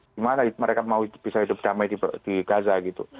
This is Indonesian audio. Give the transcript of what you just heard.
gimana mereka mau bisa hidup damai di gaza gitu